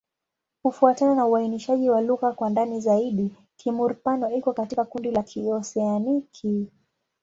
Kufuatana na uainishaji wa lugha kwa ndani zaidi, Kimur-Pano iko katika kundi la Kioseaniki.